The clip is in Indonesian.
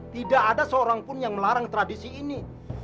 tidak ada seorang pun yang melarang tradisi ini